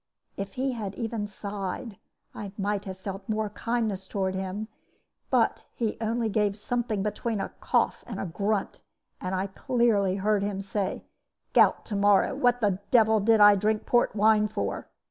"If he had even sighed, I might have felt more kindness toward him; but he only gave something between a cough and a grunt, and I clearly heard him say, 'Gout to morrow morning! what the devil did I drink port wine for!'